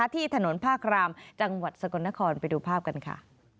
ที่ถนนภาครามจังหวัดสกลนครไปดูภาพกันค่ะ